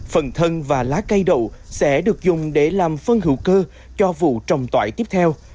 phần thân và lá cây đậu sẽ được dùng để làm phân hữu cơ cho vụ trồng tỏi tiếp theo